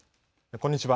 こんにちは。